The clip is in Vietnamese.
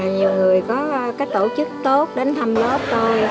nhiều người có cách tổ chức tốt đến thăm lớp tôi